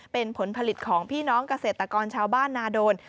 เป็นผลผลิตของพี่น้องเกษตรกรชาวบ้านนาโดน